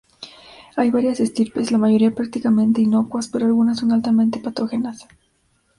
Hay varias estirpes, la mayoría prácticamente inocuas, pero algunas son altamente patógenas.